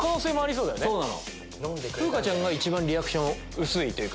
風花ちゃんが一番リアクション薄いというか。